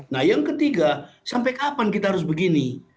nah yang ketiga sampai kapan kita harus begini